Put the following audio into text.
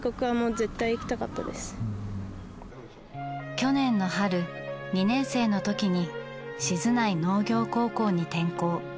去年の春２年生のときに静内農業高校に転校。